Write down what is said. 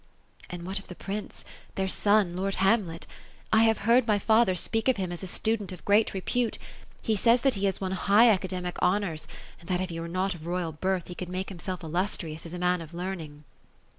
'^ And what of the prince, their son, lord Hamlet? I have heard my father speak of him as a student of great repute ; he says, that he has won high academic honorp ; and that if he were not of royal birth, be could make himself illustrious, as a man of learning."